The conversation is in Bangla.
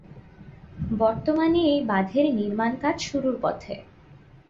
বর্তমানে এই বাঁধের নির্মাণ কাজ শুরুর পথে।